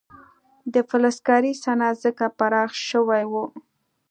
د فلزکارۍ صنعت ځکه پراخ شوی و.